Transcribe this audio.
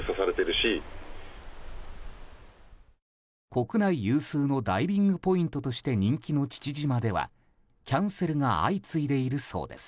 国内有数のダイビングポイントとして人気の父島ではキャンセルが相次いでいるそうです。